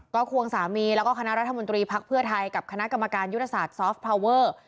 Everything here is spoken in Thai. ก็ควงสามีแล้วก็คณะรัฐมนตรีพักเพื่อไทยกับคณะกรรมการยุทธศาสตร์ซอฟพาวเวอร์